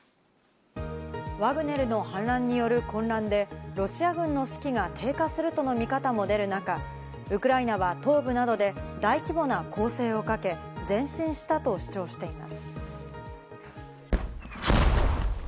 ワグネルの反乱による混乱でロシア軍の士気が低下するとの見方も出る中、ウクライナは東部などで大規模な攻勢をかけ、前進したと主張しています。